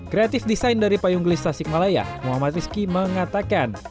kreatif desain dari payung gelis tasikmalaya muhammad rizky mengatakan